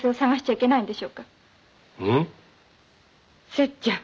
「節ちゃん」